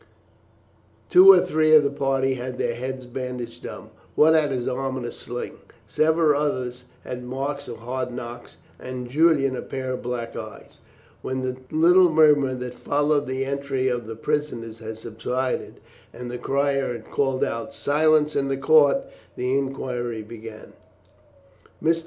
Two or three of the party had their heads bandaged up; one had his arm in a sling; several others had marks of hard knocks, and Julian a pair of black eyes. When the little murmur that followed the entry of the prisoners had subsided, and the crier had called out "Silence in court," the inquiry began. Mr.